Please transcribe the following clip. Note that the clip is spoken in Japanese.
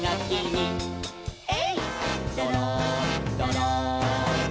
「えいっどろんどろん」